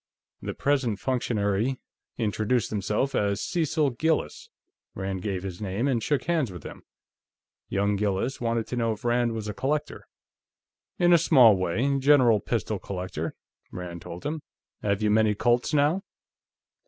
The present functionary introduced himself as Cecil Gillis. Rand gave his name and shook hands with him. Young Gillis wanted to know if Rand was a collector. "In a small way. General pistol collector," Rand told him. "Have you many Colts, now?"